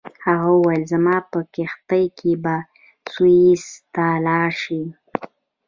هغه وویل زما په کښتۍ کې به سویس ته لاړ شې.